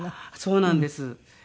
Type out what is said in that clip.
そうなんです。